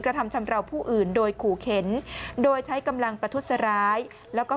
กระทำชำราวผู้อื่นโดยขู่เข็นโดยใช้กำลังประทุษร้ายแล้วก็